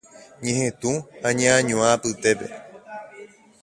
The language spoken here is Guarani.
ñehetũ ha ñeañuã apytépe.